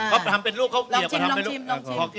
ก็ทำเป็นรูปข้าวเกียบลองชิม